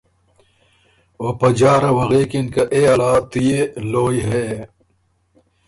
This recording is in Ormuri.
او په جهره وه غوېکِن که اے اللّه تُو يې لویٛ هې،